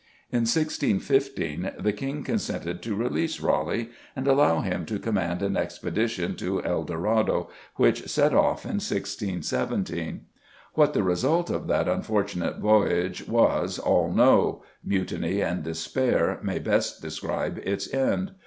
In 1615 the King consented to release Raleigh, and allow him to command an expedition to El Dorado, which set off in 1617. What the result of that unfortunate voyage was all know: mutiny and despair may best describe its end.